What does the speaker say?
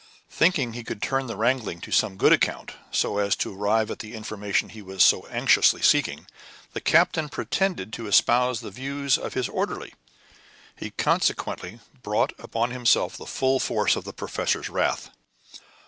Thinking he could turn the wrangling to some good account, so as to arrive at the information he was so anxiously seeking, the captain pretended to espouse the views of his orderly; he consequently brought upon himself the full force of the professor's wrath.